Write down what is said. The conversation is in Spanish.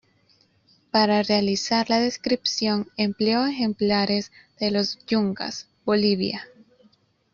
Para realizar la descripción empleó ejemplares de Los Yungas, Bolivia.